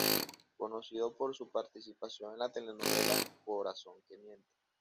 Conocido por su participación en la telenovela "Corazón que miente".